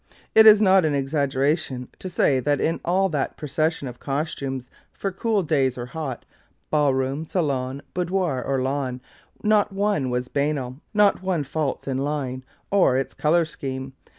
It is not an exaggeration to say that in all that procession of costumes for cool days or hot, ball room, salon, boudoir or lawn, not one was banal, not one false in line or its colour scheme.